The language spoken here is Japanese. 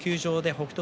北勝